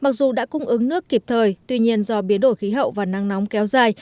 mặc dù đã cung ứng nước kịp thời tuy nhiên do biến đổi khí hậu và nắng nóng kéo dài